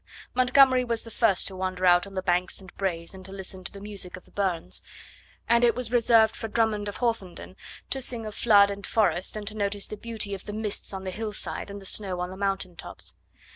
Montgomerie was the first to wander out on the banks and braes and to listen to the music of the burns, and it was reserved for Drummond of Hawthornden to sing of flood and forest and to notice the beauty of the mists on the hillside and the snow on the mountain tops.